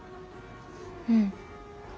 うん。